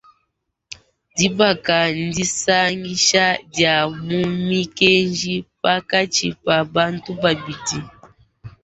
Dibaka ndisangisha dia mu mikenji pankatshi pa bantu babidi.